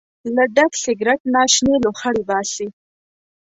له ډک سګرټ نه شنې لوخړې باسي.